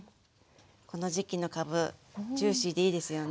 この時期のかぶジューシーでいいですよね。